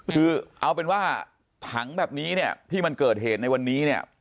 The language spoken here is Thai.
คือเอาเป็นว่าถังแบบนี้เนี่ยที่มันเกิดเหตุในวันนี้เนี่ย